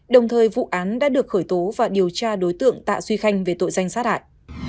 đồng thời vụ án đã được khởi tố và điều tra đối tượng tạ duy khanh về tội danh sát hại